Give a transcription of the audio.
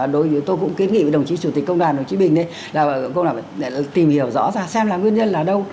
đối với tôi cũng kiếm nghị với đồng chí chủ tịch công đoàn đồng chí bình đấy là công đoàn tìm hiểu rõ ra xem là nguyên nhân là đâu